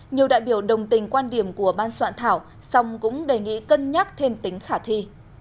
nhiều đại biểu đồng tình quan điểm của ban soạn thảo song cũng đề nghị cân nhắc thêm tính khả thi